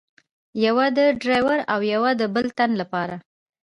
یوه د ډریور او یوه د بل تن له پاره.